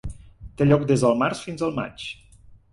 Té lloc des del març fins al maig.